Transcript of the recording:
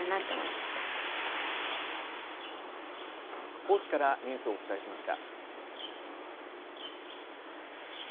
高知からニュースをお伝えしました。